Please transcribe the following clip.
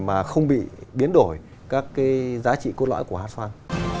mà không bị biến đổi các cái giá trị cốt lõi của hát xoan